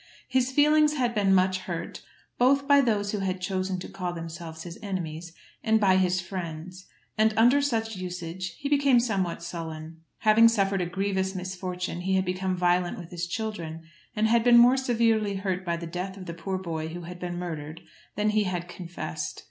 His feelings had been much hurt both by those who had chosen to call themselves his enemies and by his friends, and under such usage he became somewhat sullen. Having suffered a grievous misfortune he had become violent with his children, and had been more severely hurt by the death of the poor boy who had been murdered than he had confessed.